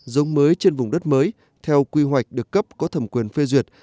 giống mới trên vùng đất mới theo quy hoạch được cấp có thẩm quyền phê duyệt